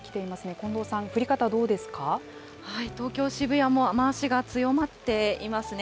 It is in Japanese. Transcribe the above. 近藤さん、東京・渋谷も雨足が強まっていますね。